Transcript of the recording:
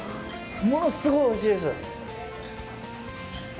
ものすごいおいしいです。